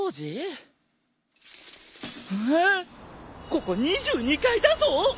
ここ２２階だぞ！？